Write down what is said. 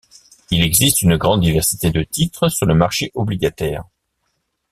Il existe une grande diversité de titres sur le marché obligataire.